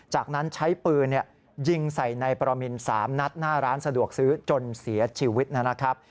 จากนั้นใช้ปืนยิงใส่ในประมิน๓นัดหน้าร้านสะดวกซื้อจนเสียชีวิตนะครับ